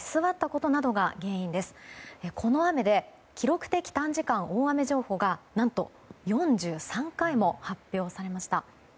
この雨で記録的短時間大雨情報が何と４３回も発表されました。